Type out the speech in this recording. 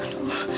aku udah bangun